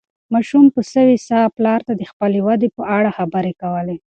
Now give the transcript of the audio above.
ماشوم په سوې ساه پلار ته د خپلې ودې په اړه خبرې کولې.